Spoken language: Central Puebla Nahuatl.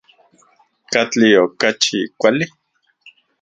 ¿Katli okachi kuali?